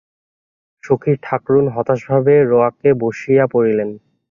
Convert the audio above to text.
সখী ঠাকরুন হতাশভাবে রোয়াকে বসিয়া পড়িলেন।